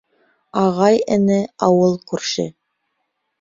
Ағай-эне, ауыл-күрше.